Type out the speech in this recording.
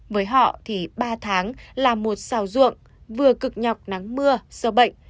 với họ thì ba tháng làm một xào ruộng vừa cực nhọc nắng mưa sơ bệnh